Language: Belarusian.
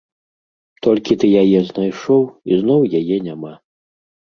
Толькі ты яе знайшоў, і зноў яе няма.